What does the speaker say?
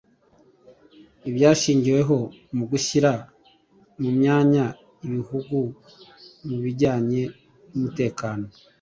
Ibyashingiweho mu gushyira mu myanya ibihugu mu bijyanye n’umutekano